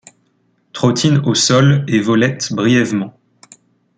Trottine au sol et volette brièvement.